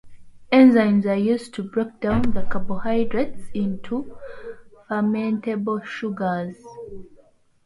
Enzymes are used to break down the carbohydrates into fermentable sugars.